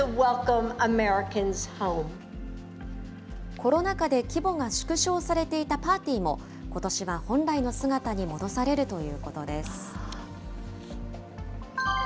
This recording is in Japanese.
コロナ禍で規模が縮小されていたパーティーも、ことしは本来の姿に戻されるということです。